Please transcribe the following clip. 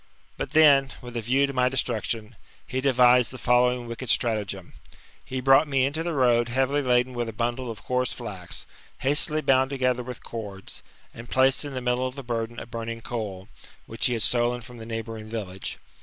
But theD, with a view to my destruction, he devised the following wicked strata ' gem. He brought me into the road heavily laden with a bundle of coarse flax, hastily bound together the cords, and placed in the middle of the burden a burning coal, which he had stolen from the neighbouring village.